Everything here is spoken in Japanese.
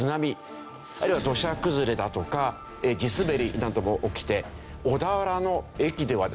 あるいは土砂崩れだとか地すべりなども起きて小田原の駅ではですね